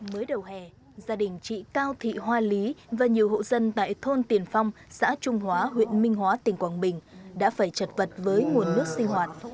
mới đầu hè gia đình chị cao thị hoa lý và nhiều hộ dân tại thôn tiền phong xã trung hóa huyện minh hóa tỉnh quảng bình đã phải chật vật với nguồn nước sinh hoạt